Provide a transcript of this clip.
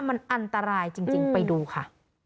มันอันตรายจริงไปดูค่ะ